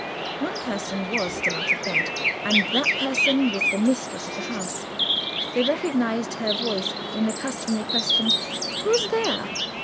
One person was still out of bed and that person was the mistress of the house. They recognized her voice in the customary question: "Who's there?"